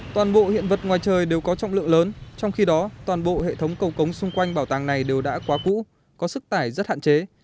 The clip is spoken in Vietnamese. toàn bộ hiện vật ngoài trời đều có trọng lượng lớn trong khi đó toàn bộ hệ thống cầu cống xung quanh bảo tàng này đều đã quá cũ có sức tải rất hạn chế